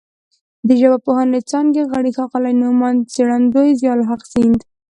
د ژبپوهنې څانګې غړي ښاغلي نوماند څېړندوی ضیاءالحق سیند